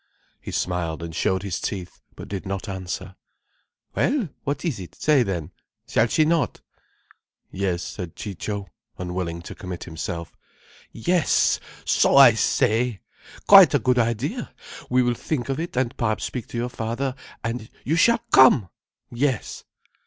He smiled and showed his teeth but did not answer. "Well, what is it? Say then? Shall she not?" "Yes," said Ciccio, unwilling to commit himself. "Yes, so I say! So I say. Quite a good idea! We will think of it, and speak perhaps to your father, and you shall come! Yes."